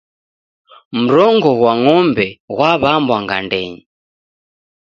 Mrongo ghwa ng'ombe ghwaw'ambwa ngandenyi.